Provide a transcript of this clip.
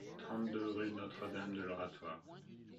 trente-deux rue Notre-Dame de l'Oratoire